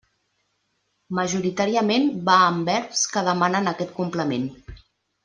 Majoritàriament va amb verbs que demanen aquest complement.